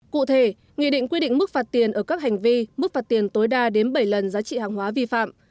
cụ thể nghị định quy định mức phạt tiền ở các hành vi mức phạt tiền tối đa đến bảy lần giá trị hàng hóa vi phạm